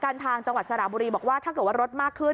ทางจังหวัดสระบุรีบอกว่าถ้าเกิดว่ารถมากขึ้น